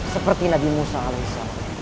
seperti nabi musa as